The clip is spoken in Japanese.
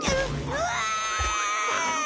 うわ！